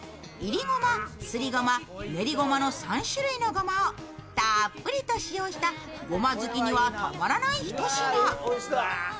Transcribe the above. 煎りごま、すりごま、練りごまの３種類のごまをたっぷりと使用したごま好きにはたまらないひと品。